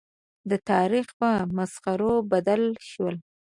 د تاریخ په مسخرو بدل شول.